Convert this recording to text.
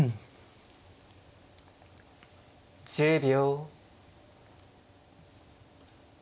１０秒。